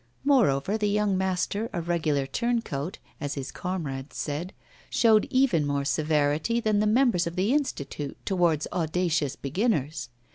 Moreover, the young master, a regular turncoat, as his comrades said, showed even more severity than the members of the Institute towards audacious beginners.